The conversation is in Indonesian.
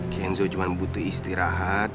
kenzo cuma butuh istirahat